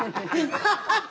ハハハ！